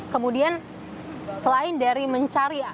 kemudian selain dari mencari